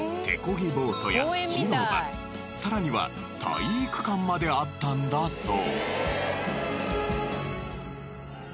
ボートや広場さらには体育館まであったんだそう。